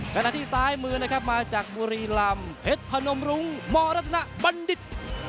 กะหน้าที่ซ้ายมือนะครับมาจากมุรีรำเผชโพนมรุงมรฑบรรษบันดิษย์